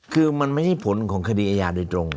คือมันไม่ใช่ผลของคดีอาญาโดยตรง